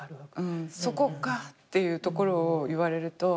「そこか」っていうところを言われると。